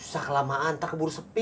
nggak usah kelamaan ntar keburu sepi